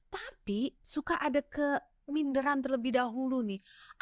tapi suka ada keminderan terlebih dahulu nih